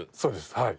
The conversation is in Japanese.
はい。